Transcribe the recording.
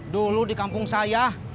dulu di kampung saya